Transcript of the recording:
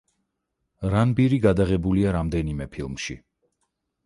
რანბირი გადაღებულია რამდენიმე ფილმში.